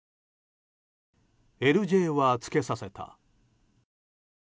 ＬＪはつけさせた。